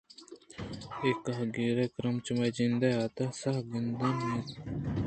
اے کاگد ءُکرّاچ مئے جند ءِ حاترا ساہ کندن اِت اَنت